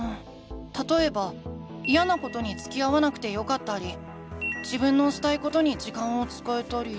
たとえばイヤなことにつきあわなくてよかったり自分のしたいことに時間を使えたり。